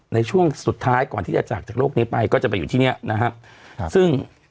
ในช่วงสุดท้ายก่อนที่จะจากจากโลกนี้ไปก็จะไปอยู่ที่เนี้ยนะครับซึ่ง